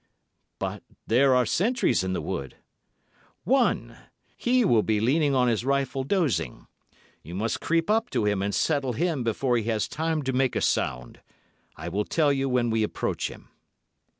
"But there are sentries in the wood." "One! He will be leaning on his rifle dozing. You must creep up to him and settle him before he has time to make a sound. I will tell you when we approach him."